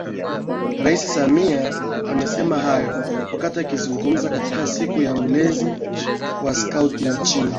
Rais Samia amesema hayo wakati akizungumza katika siku ya Mlezi wa Skauti nchini